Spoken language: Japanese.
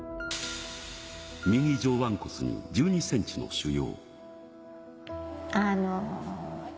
右上腕骨に１２センチの腫瘍。